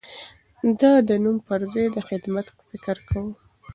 ده د نوم پر ځای د خدمت فکر کاوه.